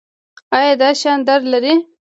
ایا دا شیان درد لري؟